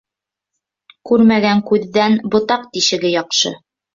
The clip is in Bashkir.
Күрмәгән күҙҙән ботаҡ тишеге яҡшы.